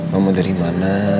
mama dari mana